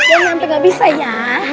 oke nanti gak bisa ya